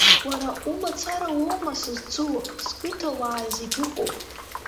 Уара умацара уоума сызцыло, сқыҭа уаа зегь ыҟоуп.